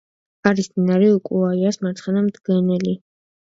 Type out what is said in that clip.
არის მდინარე უკაიალის მარცხენა მდგენელი.